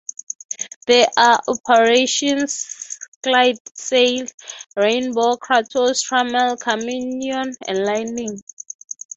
They are Operations Clydesdale, Rainbow, Kratos, Trammel, Camion and Lightning.